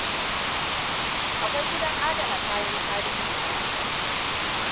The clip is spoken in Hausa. Akwai gidan adana kayan tarihi a nan garin?